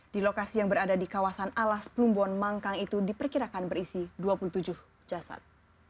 di lokasi yang berada di kawasan alas plumbon mangkang itu diperkirakan berisi dua puluh tujuh jasad